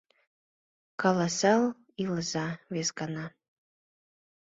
Каласал илыза, вес гана